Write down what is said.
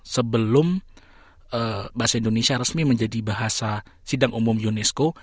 sebelum bahasa indonesia resmi menjadi bahasa sidang umum unesco